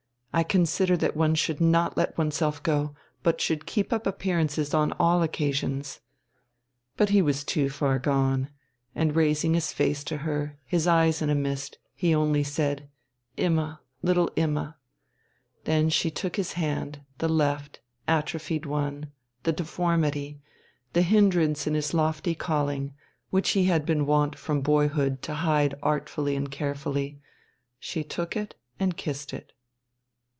I consider that one should not let oneself go, but should keep up appearances on all occasions." But he was too far gone, and raising his face to her, his eyes in a mist, he only said, "Imma little Imma " Then she took his hand, the left, atrophied one, the deformity, the hindrance in his lofty calling, which he had been wont from boyhood to hide artfully and carefully she took it and kissed it.